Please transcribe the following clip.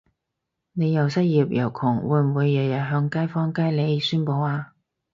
你又失業又窮會唔會日日向街坊街里宣佈吖？